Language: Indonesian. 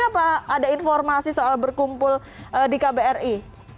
apa ada informasi soal berkumpul di kbri